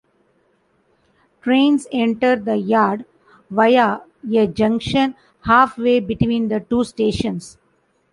Trains enter the yard via a junction halfway between the two stations.